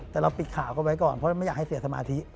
แต่เราปิดข่าวก็ไว้ก่อนเพราะไม่อยากให้เสียสมาธิ